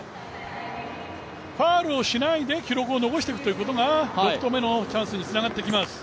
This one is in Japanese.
ファウルをしないで記録を残していくことが６投目のチャンスにつながってきます。